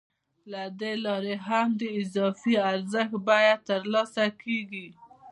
له دې لارې هم د اضافي ارزښت بیه ترلاسه کېږي